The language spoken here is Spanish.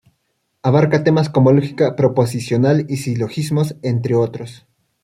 Abarca temas como lógica proposicional y silogismos, entre otros.